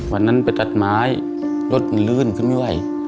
วันนั้นไปตัดไม้รถมันลื่นขึ้นไม่ไหว